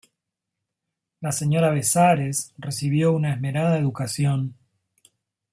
La señora Bezares recibió una esmerada educación.